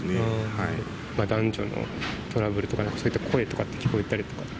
男女のトラブルとか、そういった声とかって聞こえたりとかって？